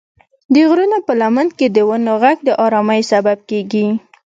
د غرونو په لمن کې د ونو غږ د ارامۍ سبب کېږي.